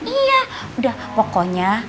iya udah pokoknya